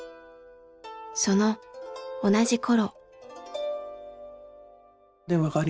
その同じ頃。